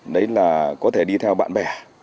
đấy là có thể đi theo bạn bè